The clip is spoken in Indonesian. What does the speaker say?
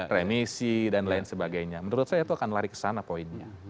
remisi dan lain sebagainya menurut saya itu akan lari ke sana poinnya